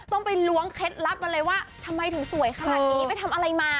ต้องไปล้วงเคล็ดลับกันเลยว่าทำไมถึงสวยขนาดนี้ไปทำอะไรมา